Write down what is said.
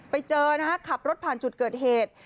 ไปเจอนะฮะขับรถผ่านจุดเกิดเหตุ